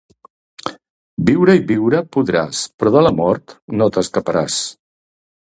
Viure i viure podràs, però de la mort no t'escaparàs.